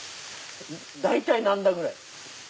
大体何段ぐらい？